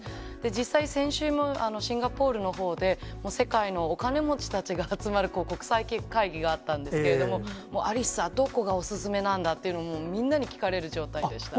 実際、先週もシンガポールのほうで、世界のお金持ちたちが集まる国際会議があったんですけど、アリッサ、どこがお勧めなんだと、みんなに聞かれる状態でした。